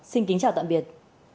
xin kính chào tạm biệt